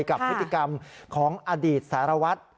กับพฤติกรรมของอดีตสารวัตร